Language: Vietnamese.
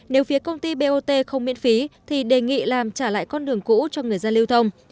nếu phía công ty bot không miễn phí thì đề nghị làm trả lại con đường cũ cho người dân lưu thông